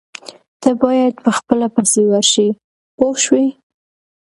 تۀ باید په خپله پسې ورشې پوه شوې!.